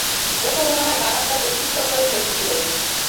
ও তো মনে হয় বারান্দায় ওর কুত্তোর লগে খেলতিসিল।